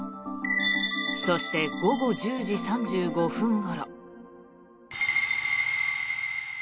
そして午後１０時３５分ごろ。